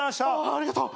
ありがとう。